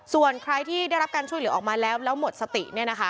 ส่วนใครที่ได้รับการช่วยเหลือออกมาแล้วแล้วหมดสติ